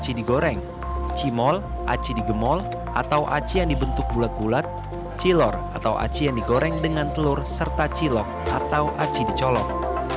aci digoreng cimol aci digemol atau aci yang dibentuk bulat bulat cilor atau aci yang digoreng dengan telur serta cilok atau aci dicolok